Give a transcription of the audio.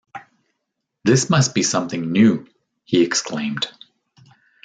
"This must be something new," he exclaimed.